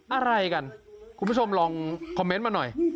อะไรกันคุณผู้ชมลองคอมเมนต์มาหน่อย